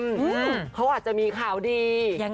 เขาอาจจะมีข่าวดี